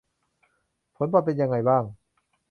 ผลบอลเป็นยังไงบ้าง